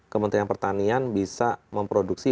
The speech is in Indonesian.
kementerian pertanian bisa memproduksi